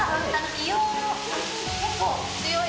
硫黄の結構強い。